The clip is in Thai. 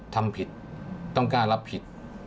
ทำผิดต้องกล้ารับผิด